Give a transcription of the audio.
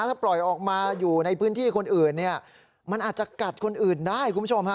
ถ้าปล่อยออกมาอยู่ในพื้นที่คนอื่นเนี่ยมันอาจจะกัดคนอื่นได้คุณผู้ชมฮะ